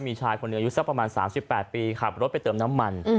มีชายคนอายุประมาณ๓๘ปีขับรถไปเติมน้ำมัน